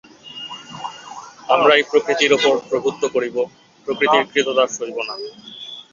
আমরাই প্রকৃতির উপর প্রভুত্ব করিব, প্রকৃতির ক্রীতদাস হইব না।